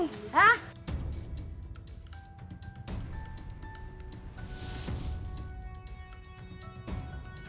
gimana pada punya rumah masing masing